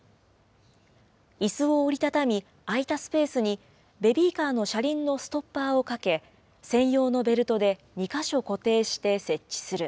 いすを折り畳み、空いたスペースに、ベビーカーの車輪のストッパーをかけ、専用のベルトで２か所固定して設置する。